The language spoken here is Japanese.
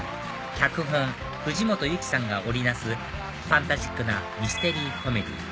脚本藤本有紀さんが織り成すファンタジックなミステリーコメディー